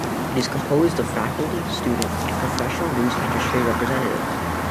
It is composed of faculty, student, and professional news industry representatives.